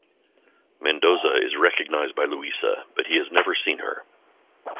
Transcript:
Mendoza is recognized by Louisa but he has never seen her.